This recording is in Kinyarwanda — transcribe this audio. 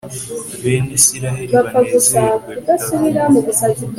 bene israheli banezerwe bitavugwa